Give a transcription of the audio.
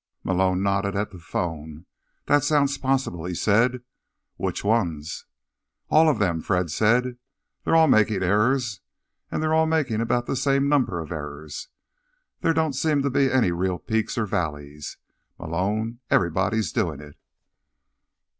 Malone nodded at the phone. "That sounds possible," he said. "Which ones?" "All of them," Fred said. "They're all making errors—and they're all making about the same number of errors. There don't seem to be any real peaks or valleys, Malone; everybody's doing it."